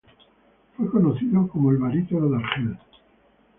Fue conocido como el "Barítono de Argel".